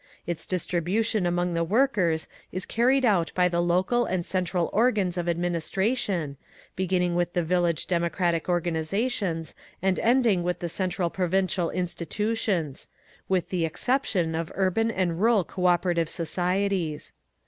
Its distribution among the workers is carried out by the local and central organs of administration, beginning with the village democratic organisations and ending with the central provincial institutions—with the exception of urban and rural cooperative societies.